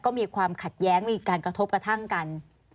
ก็มีความขัดแย้งมีการกระทบกระทั่งกัน